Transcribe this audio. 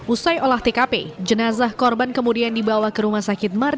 usai olah tkp jenazah korban kemudian dibawa ke rumah sakit marcus